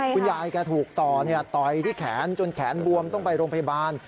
คุณยายแกถูกต่อต่อยที่แขนจนแขนบวมต้องไปโรงพยาบาล